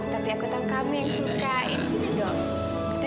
tapi aku tau kamu yang suka